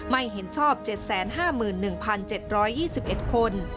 ไม่เห็นชอบ๗๕๑๗๒๑คน